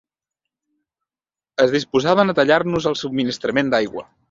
Es disposaven a tallar-nos el subministrament d'aigua